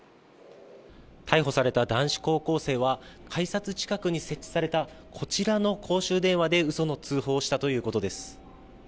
逮捕された男子高校生は、改札近くに設置されたこちらの公衆電話で、うその通報をしたということです。